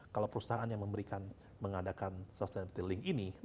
kalau perusahaan yang memberikan mengadakan sustainability link ini